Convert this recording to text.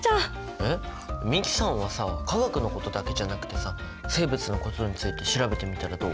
えっ美樹さんはさ化学のことだけじゃなくてさ生物のことについて調べてみたらどう？